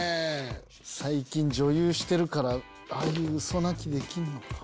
最近女優してるからああいうウソ泣きできんのか？